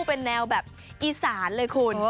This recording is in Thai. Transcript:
เป็นแนวแบบอีสานเลยคุณ